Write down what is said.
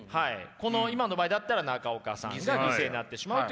この今の場合だったら中岡さんが犠牲になってしまうという問題がね